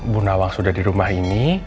bu nawang sudah dirumah ini